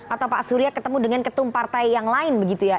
atau pak surya ketemu dengan ketum partai yang lain begitu ya